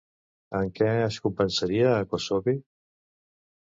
Amb què es compensaria a Kossove?